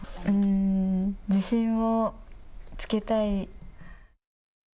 自信をつけたい。